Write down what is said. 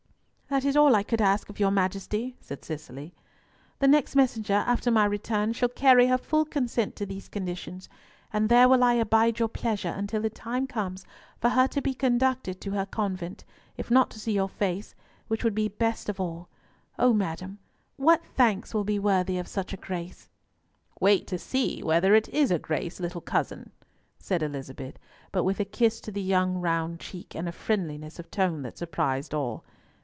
"That is all I could ask of your Majesty," said Cicely. "The next messenger after my return shall carry her full consent to these conditions, and there will I abide your pleasure until the time comes for her to be conducted to her convent, if not to see your face, which would be best of all. O madam, what thanks will be worthy of such a grace?" "Wait to see whether it is a grace, little cousin," said Elizabeth, but with a kiss to the young round cheek, and a friendliness of tone that surprised all.